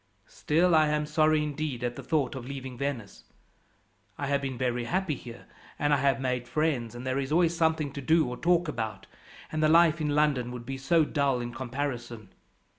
Still I am sorry, indeed, at the thought of leaving Venice. I have been very happy here, and I have made friends, and there is always something to do or talk about; and the life in London would be so dull in comparison.